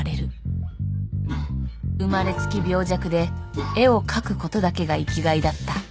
「生まれつき病弱で絵を描くことだけが生きがいだった」